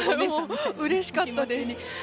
うれしかったです。